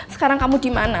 sekarang kamu di mana